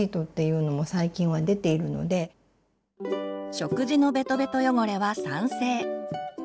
食事のベトベト汚れは酸性。